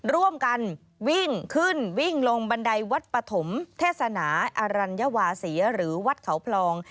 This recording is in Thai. ร่วมกันวิ่งขึ้นวิ่งลงบันไดวัดปฐมเทศนาอรัญวาศีหรือวัดเขาพลอง